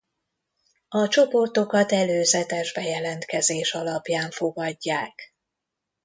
A csoportokat előzetes bejelentkezés alapján fogadják.